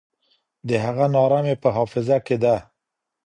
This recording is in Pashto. د هغه ناره مي په حافظه کي ده.